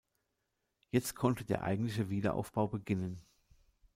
Jetzt konnte der eigentliche Wiederaufbau beginnen.